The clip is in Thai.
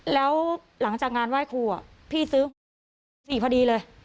แล้วหลังจากงานไหว้ครูพี่ซื้อนี่พอดีเลย